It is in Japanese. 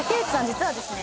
実はですね